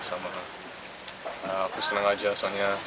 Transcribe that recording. aku senang aja soalnya